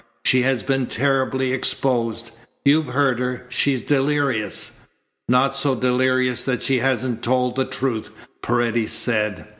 She has been terribly exposed. You've heard her. She's delirious." "Not so delirious that she hasn't told the truth," Paredes said.